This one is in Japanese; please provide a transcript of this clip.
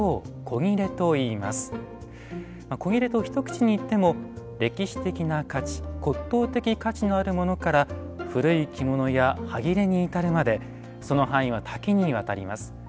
古裂と一口に言っても歴史的な価値骨董的価値のあるものから古い着物やはぎれに至るまでその範囲は多岐にわたります。